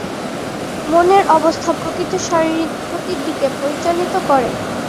মনের অবস্থা প্রকৃত শারীরিক ক্ষতির দিকে পরিচালিত করে।